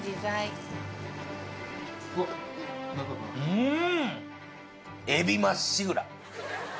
うん！